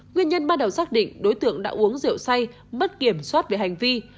nguyên nhân ban đầu xác định đối tượng đã uống rượu say mất kiểm soát về hành vi